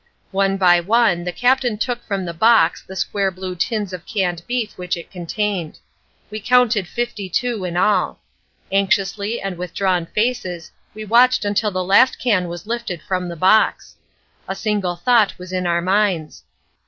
One by one the Captain took from the box the square blue tins of canned beef which it contained. We counted fifty two in all. Anxiously and with drawn faces we watched until the last can was lifted from the box. A single thought was in our minds.